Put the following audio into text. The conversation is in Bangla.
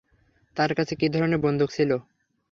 তার কাছে কি ধরনের বন্দুক ছিলো?